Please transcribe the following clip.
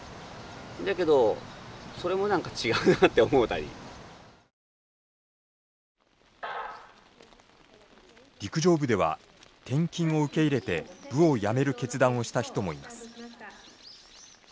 じゃけど陸上部では転勤を受け入れて部を辞める決断をした人もいます。